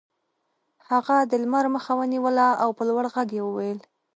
هغه د لمر مخه ونیوله او په لوړ غږ یې وویل